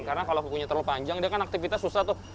karena kalau kukunya terlalu panjang dia kan aktivitas susah tuh